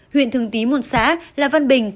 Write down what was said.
huyện thường tý một xã là văn bình